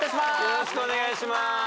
よろしくお願いします